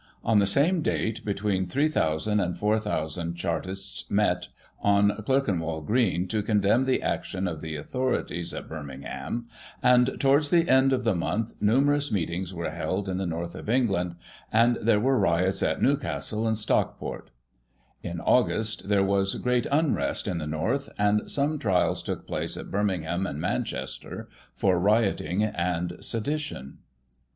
On the same date between 3,000 and 4,000 Chartists met on Clerkenwell Green to condemn the action of the authorities at Birmingham, and, towards the end of the month, numerous meetings were held in the North of England, and there were riots at Newcastle and Stockport In August there was great unrest in the North, and some trials took place at Birmingham and Man chester for rioting and sedition.